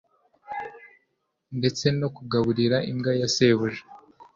ndetse no kugaburira imbwa ya shebuja